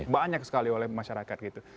banyak sekali oleh masyarakat gitu